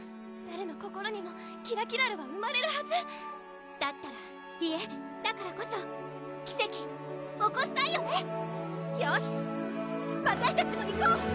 誰の心にもキラキラルは生まれるはずだったらいえだからこそ奇跡起こしたいよねよしわたしたちも行こう！